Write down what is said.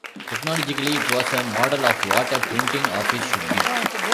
Technologically, it was a model of what a printing office should be.